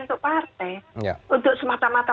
untuk partai untuk semata mata